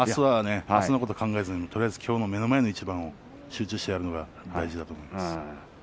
あすのことを考えずにきょうの目の前の一番を集中してやることが大事だと思います。